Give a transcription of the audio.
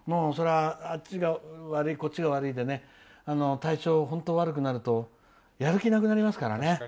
あっちが悪い、こっちが悪いで体調、本当悪くなるとやる気なくなりますからね。